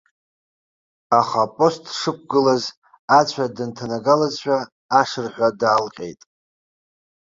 Аха апост дшықәгылаз ацәа дынҭанагалазшәа, ашырҳәа даалҟьеит.